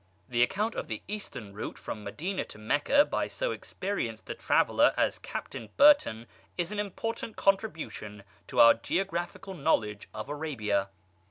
The account of the eastern route from Madina to Meccah by so experienced a traveller as Captain Burton is an important contribution to our geographical knowledge of Arabia.